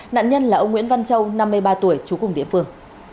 nạn nhân là ông nguyễn văn châu năm mươi ba tuổi trú cùng điểm vườn